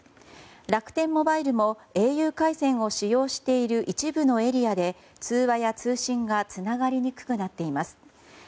楽天モバイルもａｕ回線を使用している一部のエリアで通話や通信がつながりにくくなっています。